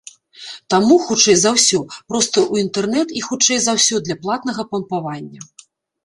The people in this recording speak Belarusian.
Таму, хутчэй за ўсё, проста ў інтэрнэт і, хутчэй за ўсё, для платнага пампавання.